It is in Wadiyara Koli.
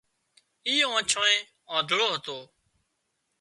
اي آنڇانئي آنڌۯو هتو